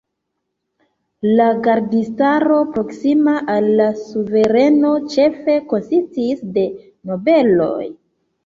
La gardistaro proksima al la suvereno ĉefe konsistis de nobeloj.